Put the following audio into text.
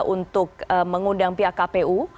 untuk mengundang pihak kpu